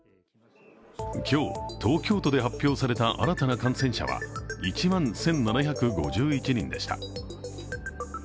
今日、東京都で発表された新たな感染者は１万１７５１人でした。